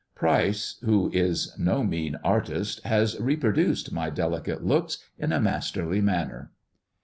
Pryce, who is no mean artist, has reproduced my delicate looks in a masterly manner."